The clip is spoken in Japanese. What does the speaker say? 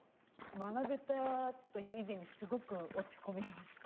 学べたという以前にすごく落ち込みました。